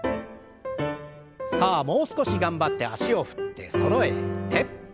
さあもう少し頑張って脚を振ってそろえて。